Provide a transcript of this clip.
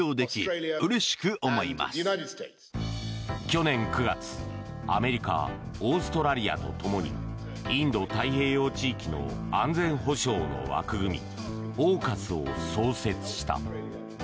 去年９月、アメリカオーストラリアとともにインド太平洋地域の安全保障の枠組みＡＵＫＵＳを創設した。